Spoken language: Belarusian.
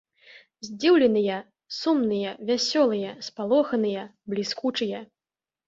Здзіўленыя, сумныя, вясёлыя, спалоханыя, бліскучыя.